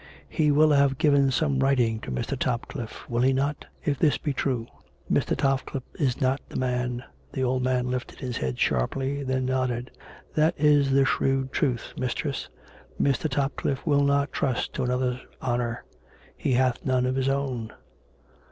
" He will have given some writing to Mr. Topcliffe, will he not.'' if this be true. Mr. Topcliffe is not the man " The old man lifted his head sharply; then he nodded. " That is the shrewd truth, mistress. Mr. Topcliffe will not trust to another's honour; he hath none of his own!"